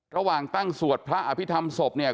ระหว่างตั้งสวดพระอภิษฐรรมศพเนี่ย